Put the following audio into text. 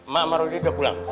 mak ma rodia udah pulang